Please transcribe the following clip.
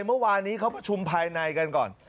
เมื่อวานนี้เขาประชุมภายในกันก่อน